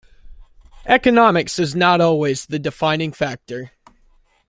Economics is not always the defining factor.